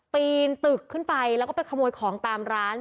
ปีนตึกขึ้นไปแล้วก็ไปขโมยของตามร้าน